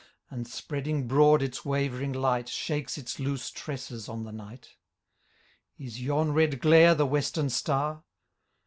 And, spreading broad its wavering light. Shakes its loose tresses on the nignt . Is yon red glare the western star